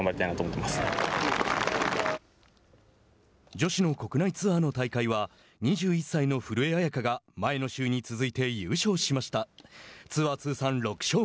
女子の国内ツアーの大会は２１歳の古江彩佳が前の週に続いて優勝しました。